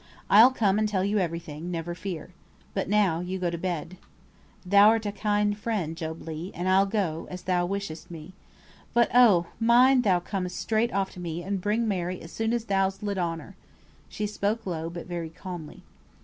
I'll come and tell you every thing, never fear. But, now, you go to bed." "Thou'rt a kind friend, Job Legh, and I'll go, as thou wishest me. But, oh! mind thou com'st straight off to me, and bring Mary as soon as thou'st lit on her." She spoke low, but very calmly.